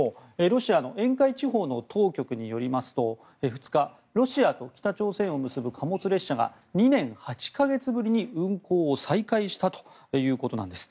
ロシアの沿海地方の当局によりますと２日、ロシアと北朝鮮を結ぶ貨物列車が２年８か月ぶりに運行を再開したということなんです。